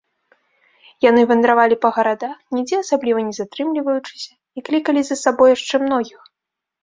Яны вандравалі па гарадах, нідзе асабліва не затрымліваючыся, і клікалі за сабой яшчэ многіх.